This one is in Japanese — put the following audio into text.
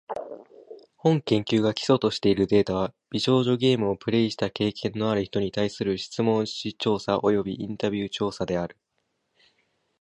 本研究が基礎としているデータは、美少女ゲームをプレイした経験のある人に対する質問紙調査およびインタビュー調査である。